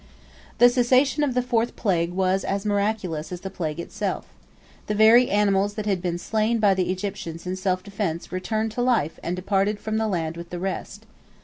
The cessation of the fourth plague was as miraculous as the plague itself. The very animals that had been slain by the Egyptians in self defense returned to life and departed from the land with the rest.